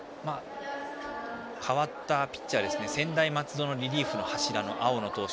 代わったピッチャー、専大松戸のリリーフの柱の青野投手